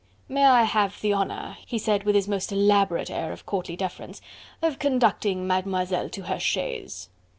"May I have the honour," he said with his most elaborate air of courtly deference, "of conducting Mademoiselle to her chaise?"